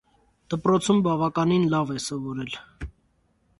Դպրոցում բավականին լավ է սովորել։